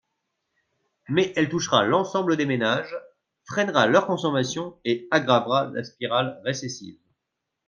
Mais elle touchera l’ensemble des ménages, freinera leur consommation et aggravera la spirale récessive.